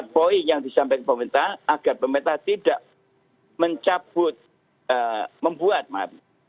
empat poi yang disampaikan kepada pemerintah agar pemerintah tidak mencabut membuat maaf